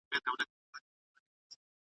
زه په دې چي مي بدرنګ سړی منلی `